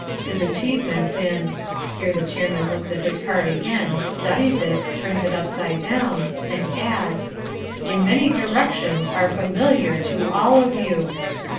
His achievements in" (here the chairman looks at his card again, studies it, turns it upside down and adds) "in many directions are familiar to all of you."